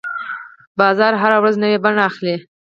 بازار هره ورځ نوې بڼه اخلي.